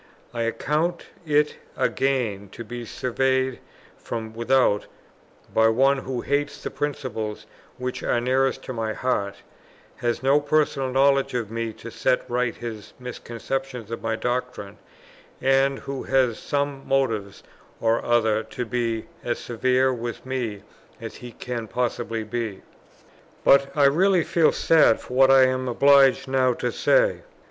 I account it a gain to be surveyed from without by one who hates the principles which are nearest to my heart, has no personal knowledge of me to set right his misconceptions of my doctrine, and who has some motive or other to be as severe with me as he can possibly be.... But I really feel sad for what I am obliged now to say.